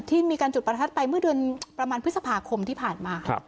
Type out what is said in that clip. มีการจุดประทัดไปเมื่อเดือนประมาณพฤษภาคมที่ผ่านมา